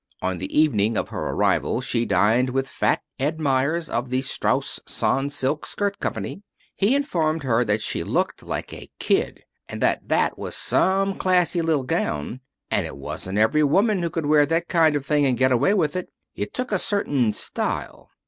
On the evening of her arrival she dined with Fat Ed Meyers, of the Strauss Sans silk Skirt Company. He informed her that she looked like a kid, and that that was some classy little gown, and it wasn't every woman who could wear that kind of thing and get away with it. It took a certain style.